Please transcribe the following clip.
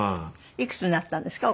いくつになったんですか？